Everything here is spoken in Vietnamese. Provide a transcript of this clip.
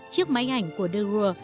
chiếc máy ảnh của de waal